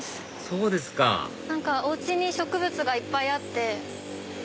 そうですかお家に植物がいっぱいあって。